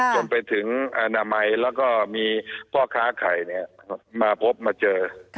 จนไปถึงอนามัยแล้วก็มีพ่อค้าไข่มาพบมาเจอ